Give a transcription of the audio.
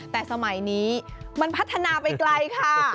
แต่สมัยนี้มันพัฒนาไปไกลค่ะ